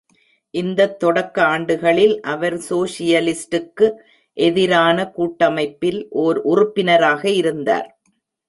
இந்தத் தொடக்க ஆண்டுகளில் அவர் சோஷியலிஸ்டுக்கு எதிரான கூட்டமைப்பில் ஓர் உறுப்பினராக இருந்தார்.